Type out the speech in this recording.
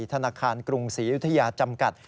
ธนาคารกรุงศรียุธยาจำกัด